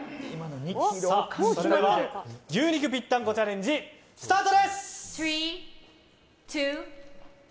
それでは牛肉ぴったんこチャレンジスタート。